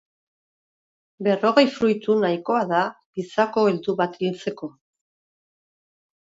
Berrogei fruitu nahikoa da gizako heldu bat hiltzeko.